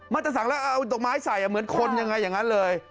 มัดตะสังแล้วเอาตกไม้ใส่เหมือนคนอย่างนั้นเลย